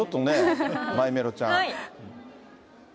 マイメロちゃん。